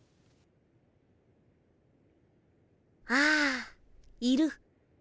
はあいる。